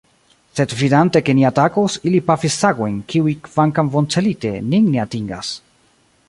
Sed vidante, ke ni atakos, ili pafis sagojn, kiuj kvankam boncelite, nin ne atingas.